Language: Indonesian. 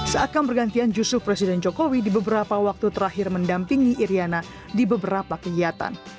seakan bergantian justru presiden jokowi di beberapa waktu terakhir mendampingi iryana di beberapa kegiatan